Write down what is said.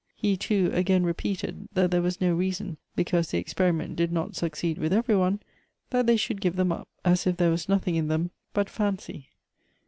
He, too, again repeated, that there was no reason, because the e.xperiment did not succeed with every one, that they should give them up, .as if there was nothing in them but fancy.